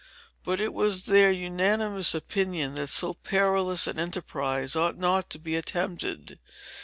But it was their unanimous opinion that so perilous an enterprise ought not to be attempted.